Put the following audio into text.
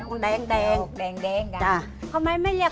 ของอีกใช้อะไรอีก